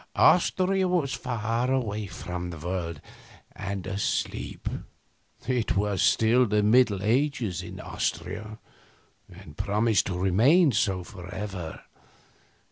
Austria was far away from the world, and asleep; it was still the Middle Ages in Austria, and promised to remain so forever.